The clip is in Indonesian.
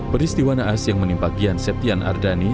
peristiwa naas yang menimpa gian septian ardani